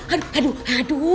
aduh aduh aduh